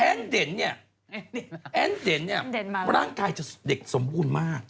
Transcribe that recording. เด่นเนี่ยแอ้นเด่นเนี่ยร่างกายจะเด็กสมบูรณ์มาก